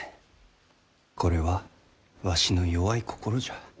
これはわしの弱い心じゃ。